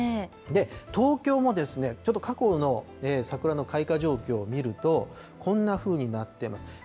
東京もちょっとかこの桜の開花状況を見ると、こんなふうになっています。